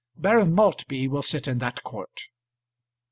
Baron Maltby will sit in that court."